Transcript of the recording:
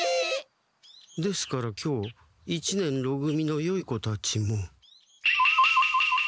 ですから今日一年ろ組のよい子たちも。